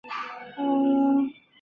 弹箱挂在武器站左侧。